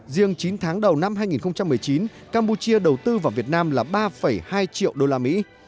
riêng chín tháng đầu năm hai nghìn một mươi chín campuchia đầu tư vào việt nam là ba hai triệu đô la mỹ